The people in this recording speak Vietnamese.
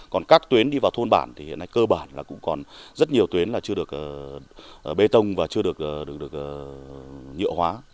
còn các tuyến đi vào thôn bản thì hiện nay cơ bản là cũng còn rất nhiều tuyến là chưa được bê tông và chưa được nhựa hóa